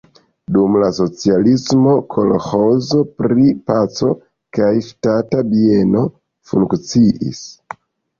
Dum la socialismo kolĥozo pri "Paco" kaj ŝtata bieno funkciis.